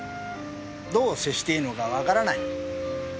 どう接していいのかわからない。